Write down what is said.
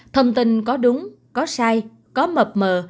thông tin có đúng có sai có mập mờ